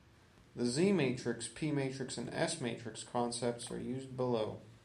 The Z-matrix, P-matrix and S-matrix concepts are used below.